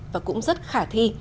và cũng rất khả thi